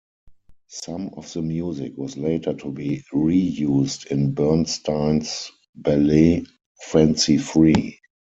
Some of the music was later to be reused in Bernstein's ballet "Fancy Free".